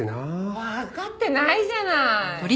わかってないじゃない。